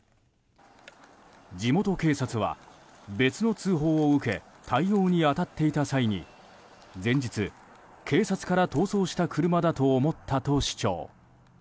地元警察は、別の通報を受け対応に当たっていた際に前日、警察から逃走した車だと思ったと主張。